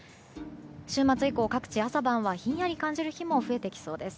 週末以降、各地朝晩はひんやり感じる日も出てきそうです。